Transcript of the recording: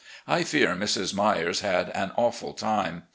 I fear Mrs. Myers had an awful time.